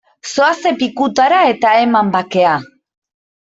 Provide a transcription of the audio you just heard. Zoazte pikutara eta eman bakea!